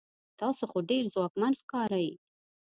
تاسو خو ډیر ځواکمن ښکارئ